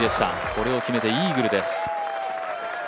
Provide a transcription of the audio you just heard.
これを決めてイーグルです。